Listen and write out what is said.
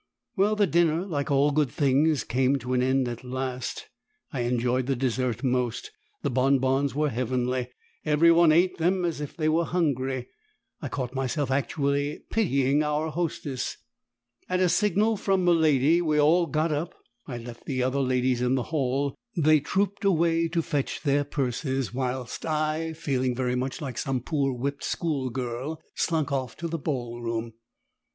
Well the dinner, like all good things, came to an end at last. I enjoyed the dessert most; the bonbons were heavenly; every one ate them as if they were hungry; I caught myself actually pitying our hostess. At a signal from miladi, we all got up; I left the other ladies in the hall; they trooped away to fetch their purses, whilst I, feeling very much like some poor whipped schoolgirl, slunk off to the ball room.